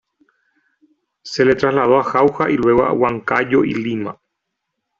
Se le trasladó a Jauja, y luego a Huancayo y Lima.